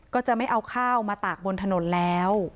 ก็จะไม่เอาข้าวมาตากบนถนนแล้ว